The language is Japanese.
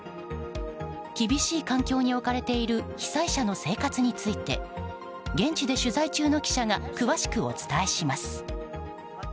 厳しい環境に置かれている被災者の生活について現地で取材中の記者が詳しくお伝えします。